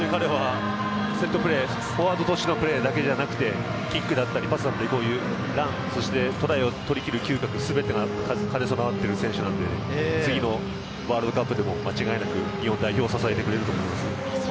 セットプレー、フォワードとしてのプレーだけではなく、キック、パス、ラン、そしてトライを取りきる嗅覚、すべてを兼ね備えた選手なので次のワールドカップでも日本代表を支えてくれると思います。